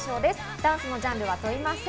ダンスのジャンルは問いません。